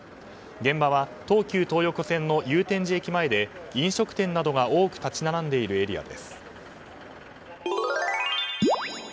現場は東急東横線の祐天寺駅前で飲食店などが多く立ち並んでいるエリアです。